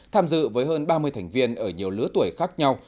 tham dự với hơn ba mươi thành viên ở nhiều lứa tuổi khác nhau